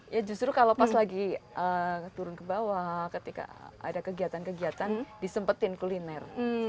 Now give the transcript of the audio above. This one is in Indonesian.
ya justru kalau pas lagi turun ke bawah ketika ada kegiatan kegiatan disempetin kuliner